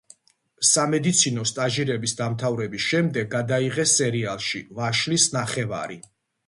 სამედიცინო სტაჟირების დამთავრების შემდეგ გადაიღეს სერიალში „ვაშლის ნახევარი“.